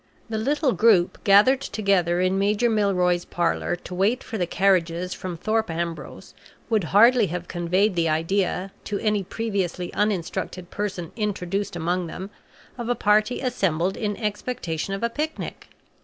The little group gathered together in Major Milroy's parlor to wait for the carriages from Thorpe Ambrose would hardly have conveyed the idea, to any previously uninstructed person introduced among them, of a party assembled in expectation of a picnic.